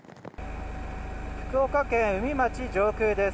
福岡県宇美町上空です。